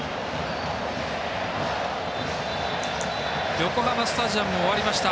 横浜スタジアム終わりました。